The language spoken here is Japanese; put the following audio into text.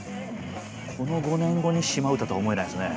この５年後に「島唄」とは思えないですね。